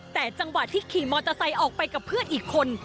แต่จังหวะที่ขี่มอเตอร์ไซค์ออกไปกับเพื่อนอีกคน